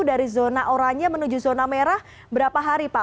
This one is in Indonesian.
dari zona oranye menuju zona merah berapa hari pak